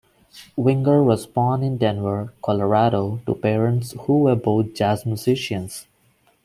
Winger was born in Denver, Colorado to parents who were both jazz musicians.